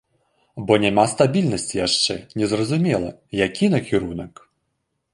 Бо няма стабільнасці яшчэ, незразумела, які накірунак.